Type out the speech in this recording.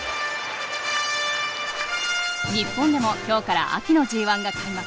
日本でも今日から秋のＧ１が開幕。